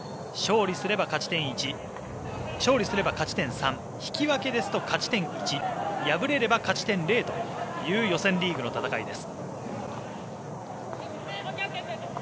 勝利すれば勝ち点３引き分けですと勝ち点１敗れれば勝ち点０という予選リーグの戦いです。